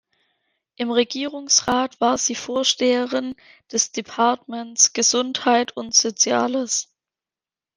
Im Regierungsrat war sie Vorsteherin des Departements «Gesundheit und Soziales».